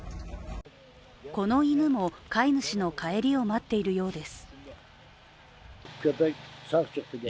この犬も、飼い主の帰りを待っているようです。